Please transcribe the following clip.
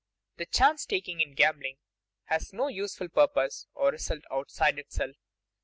The chance taking in gambling has no useful purpose or result outside itself.